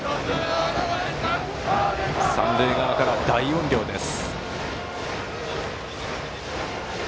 三塁側から大音量です。